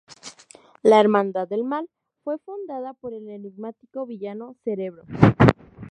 La Hermandad del Mal fue fundada por el enigmático villano Cerebro.